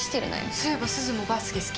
そういえばすずもバスケ好きだよね？